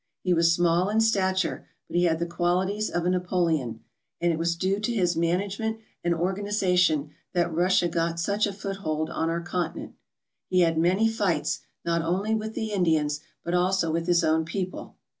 He was small in stature, but he had the qualities of a Napoleon, and it was due to his management and organization that Russia got such a foothold on our continent. He had many fights not only with the Indians but also with his own people.